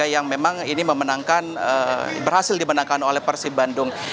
yang memang ini memenangkan berhasil dimenangkan oleh persib bandung